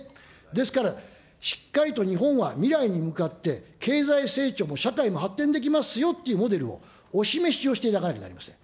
ですから、しっかりと日本は未来に向かって経済成長も社会も発展できますよっていうモデルをお示しをしていただかなきゃなりません。